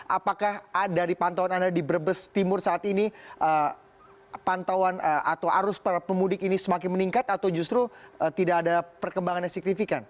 apakah dari pantauan anda di brebes timur saat ini pantauan atau arus pemudik ini semakin meningkat atau justru tidak ada perkembangan yang signifikan